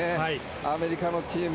アメリカのチーム